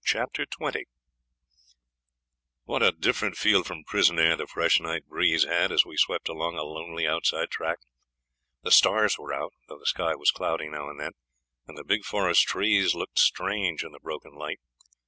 Chapter 20 What a different feel from prison air the fresh night breeze had as we swept along a lonely outside track! The stars were out, though the sky was cloudy now and then, and the big forest trees looked strange in the broken light.